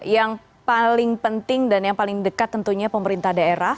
yang paling penting dan yang paling dekat tentunya pemerintah daerah